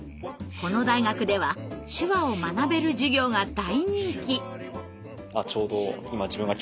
この大学では手話を学べる授業が大人気。